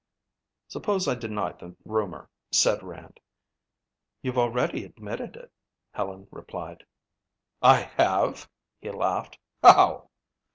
"Suppose I deny the rumor," said Rand. "You've already admitted it," Helen replied. "I have?" he laughed. "How?"